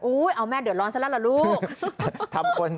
เอาแม่เดือดร้อนซะแล้วล่ะลูก